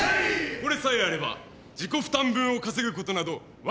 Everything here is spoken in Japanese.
これさえあれば自己負担分を稼ぐことなどわけはない。